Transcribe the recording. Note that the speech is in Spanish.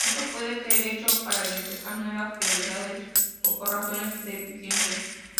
Esto puede ser hecho para reflejar nuevas prioridades o por razones de eficiencia.